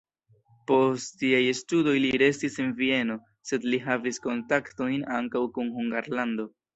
Post siaj studoj li restis en Vieno, sed li havis kontaktojn ankaŭ kun Hungarlando.